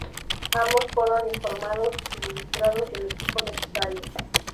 Ambos fueron informados y suministrados del equipo necesario.